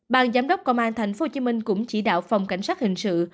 ban giám đốc công an tp hcm cũng chỉ đạo phòng cảnh sát hình sự